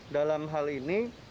dalam hal ini